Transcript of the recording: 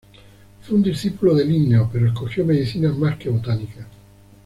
Fue un discípulo de Linneo, pero escogió medicina más que botánica.